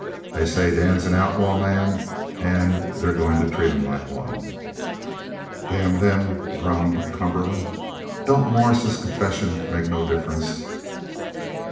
They say Dan's an outlawed man an' that they're goin' to treat him like one." "Damn them!" groaned Cumberland. "Don't Morris's confession make no difference?"